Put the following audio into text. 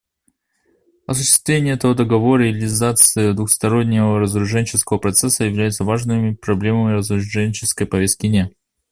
Осуществление этого Договора и реализация двустороннего разоруженческого процесса являются важными проблемами разоруженческой повестки дня.